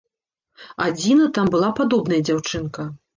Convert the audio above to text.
Адзіна, там была падобная дзяўчынка.